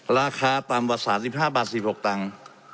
ราคาตามวัด๓๕บาท๔๖ตังค์